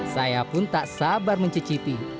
saya pun tak sabar mencicipi